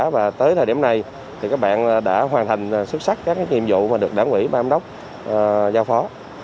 và tới thời điểm này thì các bạn đã hoàn thành xuất sắc các nhiệm vụ mà được đảng quỹ ban đốc giao phó